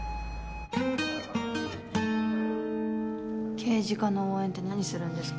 刑事課の応援って何するんですか？